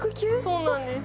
そうなんです。